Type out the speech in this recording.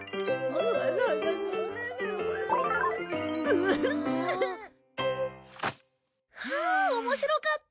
ウフフ。はあ面白かった！